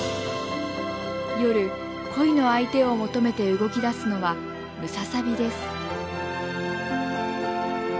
夜恋の相手を求めて動きだすのはムササビです。